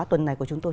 tuần này của chúng tôi